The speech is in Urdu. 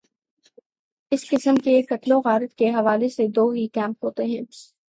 اس قسم کی قتل وغارت کے حوالے سے دو ہی کیمپ ہوتے ہیں۔